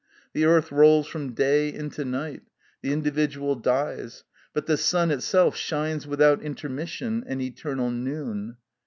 The earth rolls from day into night, the individual dies, but the sun itself shines without intermission, an eternal noon.